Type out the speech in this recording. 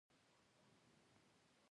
بوټونه د خوږو خاطرې لري.